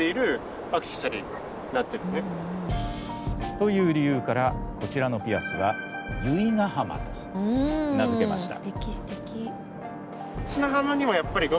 という理由からこちらのピアスは由比ヶ浜と名付けました。